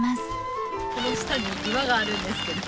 この下に岩があるんですけど。